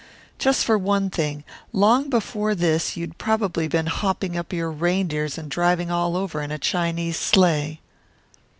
Just for one thing, long before this you'd probably been hopping up your reindeers and driving all over in a Chinese sleigh."